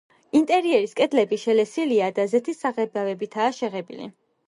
ინტერიერის კედლები შელესილია და ზეთის საღებავითაა შეღებილი.